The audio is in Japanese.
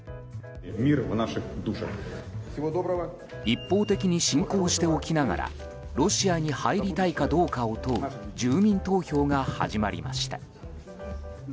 一方的に侵攻しておきながらロシアに入りたいかどうかを問う住民投票が始まりました。